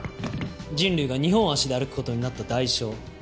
人類が２本足で歩く事になった代償肩こりだ。